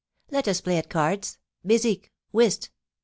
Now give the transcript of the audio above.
I^t us play at cards — bezique, whist